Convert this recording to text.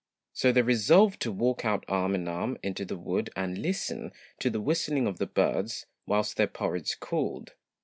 So they resolved to walk out arm and arm into the wood and listen to the whistling of the birds whilst their porridge cooled.